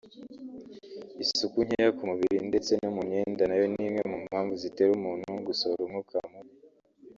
Isuku nkeya ku mubiri ndetse no mu myenda nayo ni imwe mu mpamvu zitera umuntu gusohora umwuka mubi